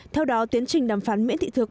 theo đó tiến trình đàm phán miễn thị thực